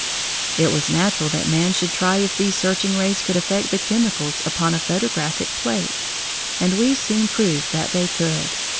It was natural that man should try if these searching rays could affect the chemicals upon a photographic plate, and we soon proved that they could.